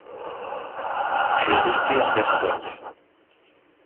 Elle est restée en Gascogne.